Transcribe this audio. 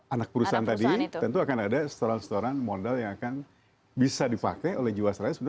anak perusahaan tadi tentu akan ada setoran setoran modal yang akan bisa dipakai oleh jiwasraya